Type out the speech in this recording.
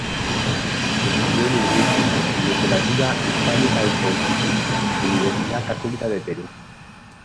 Estudió Lingüística y Literatura Hispánica en la Pontificia Universidad Católica del Perú.